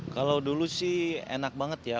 kalau dulu sih enak banget ya